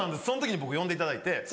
その時に僕呼んでいただいて。